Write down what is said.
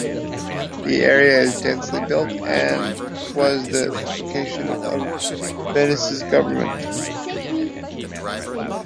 The area is densely built and was the location of Venice's government.